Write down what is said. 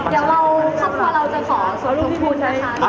พร้อมแต่ค่ะเราจะขอสรุปผู้ใช้